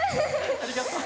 ありがとう。